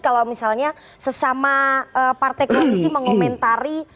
kalau misalnya sesama partai koalisi mengomentari